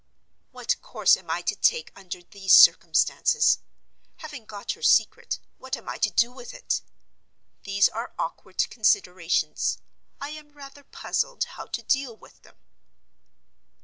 What course am I to take under these circumstances? Having got her secret, what am I to do with it? These are awkward considerations; I am rather puzzled how to deal with them.